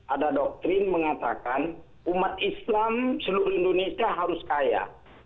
ada doktrin mengatakan umat islam seluruh indonesia harus kaya